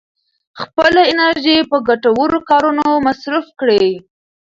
خپله انرژي په ګټورو کارونو مصرف کړئ.